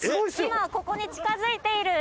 今ここに近づいている船。